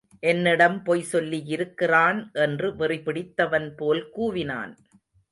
என்னிடம் பொய் சொல்லியிருக்கிறான் என்று வெறிபிடித்தவன் போல் கூவினான்.